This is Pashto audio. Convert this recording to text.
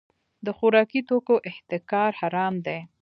د خوراکي توکو احتکار حرام دی.